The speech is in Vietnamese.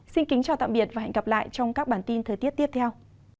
xin kính chào tạm biệt và hẹn gặp lại trong các bản tin thời tiết tiếp theo